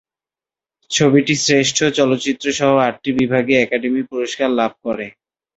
ছবিটি শ্রেষ্ঠ চলচ্চিত্রসহ আটটি বিভাগে একাডেমি পুরস্কার লাভ করে।